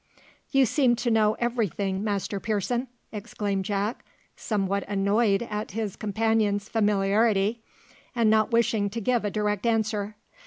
"You seem to know every thing, Master Pearson!" exclaimed Jack, somewhat annoyed at his companion's familiarity, and not wishing to give a direct answer.